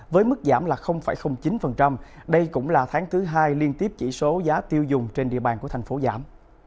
với mức giảm là chín đây cũng là tháng thứ hai liên tiếp chỉ số giá tiêu dùng trên địa bàn của tp hcm